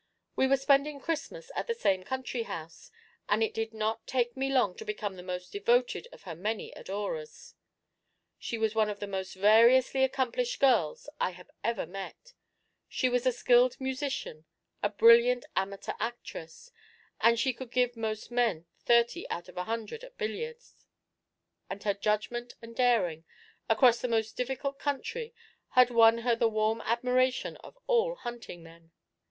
We were spending Christmas at the same country house, and it did not take me long to become the most devoted of her many adorers. She was one of the most variously accomplished girls I had ever met. She was a skilled musician, a brilliant amateur actress; she could give most men thirty out of a hundred at billiards, and her judgment and daring across the most difficult country had won her the warm admiration of all hunting men.